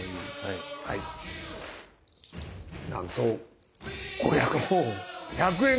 なんと５００円！